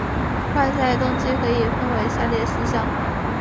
外在动机可以分成下列四项